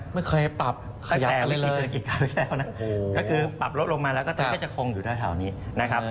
ไม่เคยปรับขยับกันเลยเลยโอ้โฮก็คือปรับลดลงมาแล้วก็จะคงอยู่ในแถวนี้นะครับ